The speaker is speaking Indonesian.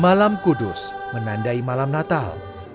malam kudus menandai malam natal